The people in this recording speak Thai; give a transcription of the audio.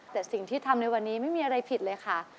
แต่สิ่งที่ทำในวันนี้ไม่มีอะไรผิดเลยค่ะ